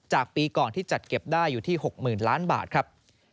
ปีก่อนที่จัดเก็บได้อยู่ที่๖๐๐๐ล้านบาทครับ